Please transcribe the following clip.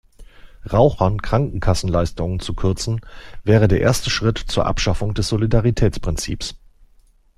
Rauchern Krankenkassenleistungen zu kürzen, wäre der erste Schritt zur Abschaffung des Solidaritätsprinzips.